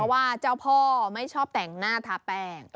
ว่าเจ้าพ่อไม่ชอบแต่งหน้าทาแป้ง